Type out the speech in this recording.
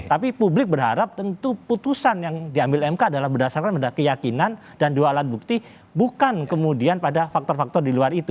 tapi publik berharap tentu putusan yang diambil mk adalah berdasarkan pada keyakinan dan dua alat bukti bukan kemudian pada faktor faktor di luar itu